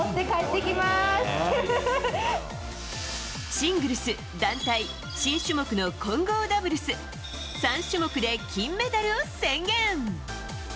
シングルス、団体新種目の混合ダブルス３種目で金メダルを宣言。